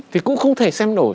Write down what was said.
thì cũng không thể xem được